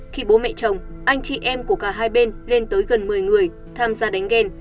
khi bố mẹ chồng anh chị em của cả hai bên lên tới gần một mươi người tham gia đánh ghen